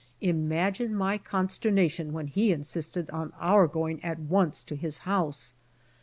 Imagine my consternation when he insisted on our going at once to his house.